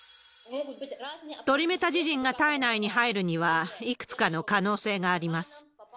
トリメタジジンが体内に入るには、いくつかの可能性があります。